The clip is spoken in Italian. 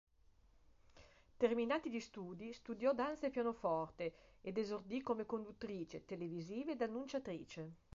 Terminati gli studi, studiò danza e pianoforte, ed esordì come conduttrice televisiva ed annunciatrice.